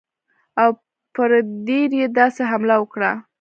او پر دیر یې داسې حمله وکړه.